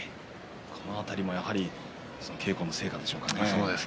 この辺りも稽古の成果でしょうか。